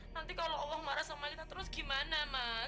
nanti kalau allah marah sama kita terus gimana mas